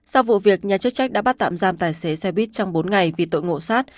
sau vụ việc nhà chức trách đã bắt tạm giam tài xế xe buýt trong bốn ngày vì tội ngộ sát